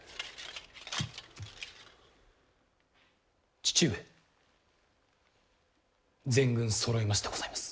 父上全軍そろいましてございます。